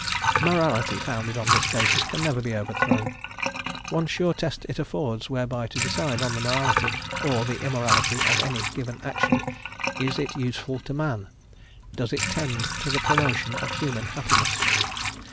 A morality founded on this basis can never be overthrown; one sure test it affords whereby to decide on the morality or the immorality of any given action: "Is it useful to man? does it tend to the promotion of human happiness?"